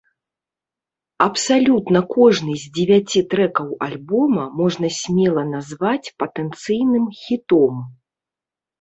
Абсалютна кожны з дзевяці трэкаў альбома можна смела назваць патэнцыйным хітом.